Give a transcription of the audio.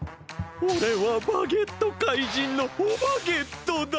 おれはバゲットかいじんのオバゲットだ！